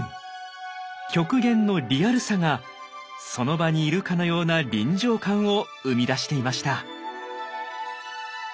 極限のリアルさがその場にいるかのような臨場感を生み出していました。